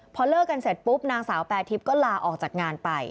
พอเลิกกันเสร็จปุ๊บนางสาวแปรทิพย์ก็ลาออกจากงานไป